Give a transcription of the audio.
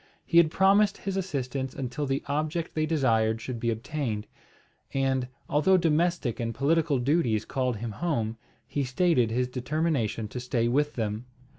He had promised his assistance until the object they desired should be obtained; and, although domestic and political duties called him home, he stated his determination to stay with them.